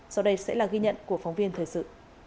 sau đây sẽ là ghi nhận của phóng viên thời sự